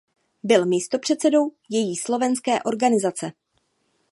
Byl místopředsedou její slovenské organizace.